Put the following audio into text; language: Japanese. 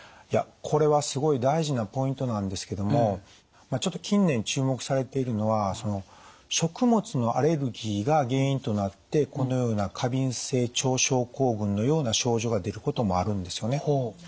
いやこれはすごい大事なポイントなんですけどもちょっと近年注目されているのは食物のアレルギーが原因となってこのような過敏性腸症候群のような症状が出ることもあるんですよね。